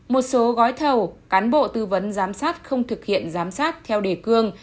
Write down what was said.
một số gói thầu cán bộ tư vấn giám sát không thực hiện giám sát theo đề cương